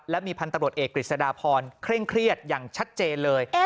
และมีพันธุ์ตำรวจเอกกฤษฎาพรเคร่งเครียดอย่างชัดเจนเลย